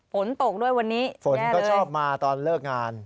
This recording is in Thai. ฝนตกด้วยวันนี้ฝนก็ชอบมาตอนเลิกงาน